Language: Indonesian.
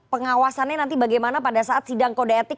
pengawasannya nanti bagaimana pada saat sidang kode etik